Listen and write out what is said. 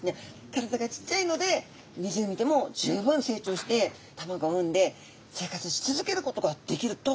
体がちっちゃいので湖でも十分成長して卵を産んで生活し続けることができると考えられています。